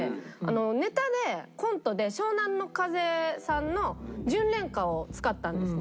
ネタでコントで湘南乃風さんの『純恋歌』を使ったんですね。